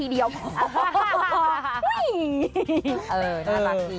เออ